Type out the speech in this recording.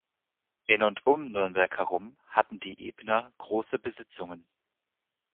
In und um Nürnberg herum hatten die Ebner große Besitzungen.